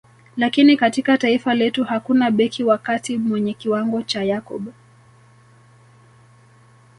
Lakini katika taifa letu hakuna beki wa kati mwenye kiwango cha Yakub